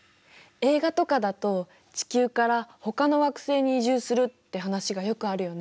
映画とかだと地球からほかの惑星に移住するって話がよくあるよね。